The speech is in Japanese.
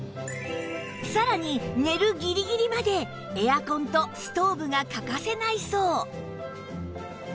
さらに寝るギリギリまでエアコンとストーブが欠かせないそう